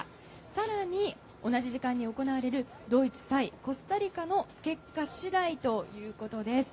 更に、同じ時間に行われるドイツ対コスタリカの結果次第ということです。